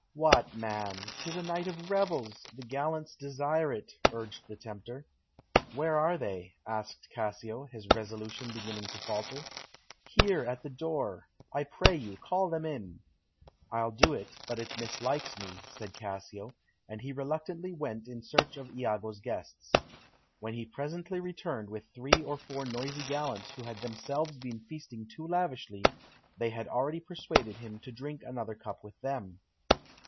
"What, man! 'Tis a night of revels; the gallants desire it," urged the tempter. "Where are they?" asked Cassio, his resolution beginning to falter. "Here, at the door; I pray you, call them in." "I'll do it, but it mislikes me," said Cassio, and he reluctantly went in search of Iago's guests. When he presently returned with three or four noisy gallants who had themselves been feasting too lavishly, they had already persuaded him to drink another cup with them.